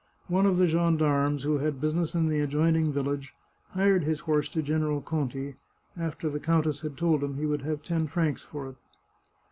One of the gendarmes, who had business in the adjoining village, hired his horse to General Conti, after the countess had told him he would have ten francs for it.